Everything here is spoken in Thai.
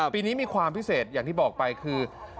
ปีนี้มีความพิเศษอย่างที่บอกไปคือ